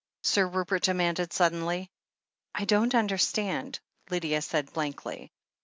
Sir Rupert demanded suddenly. "I don't understand," Lydia said blankly.